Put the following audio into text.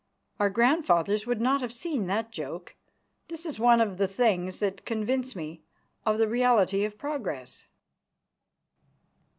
Our grandfathers would not have seen that joke. That is one of the things that convince me of the reality of progress.